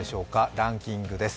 ランキングです。